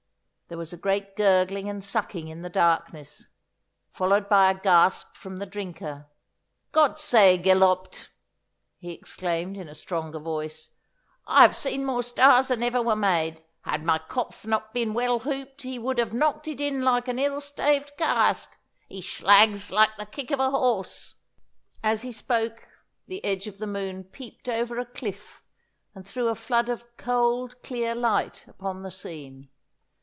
There was a great gurgling and sucking in the darkness, followed by a gasp from the drinker. 'Gott sei gelobt,' he exclaimed in a stronger voice, 'I have seen more stars than ever were made. Had my kopf not been well hooped he would have knocked it in like an ill staved cask. He shlags like the kick of a horse.' As he spoke the edge of the moon peeped over a cliff and threw a flood of cold clear light upon the scene.